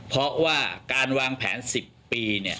เพราะว่าการวางแผน๑๐ปี